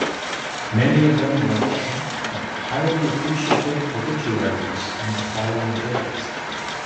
Many of them wrote shocked but highly appreciative obituaries in the following days.